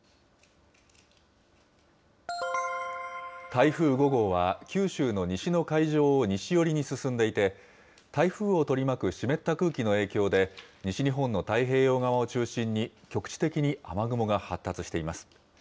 台風５号は、九州の西の海上を西寄りに進んでいて、台風を取り巻く湿った空気の影響で、西日本の太平洋側を中心に、局地的に雨雲が発達しています。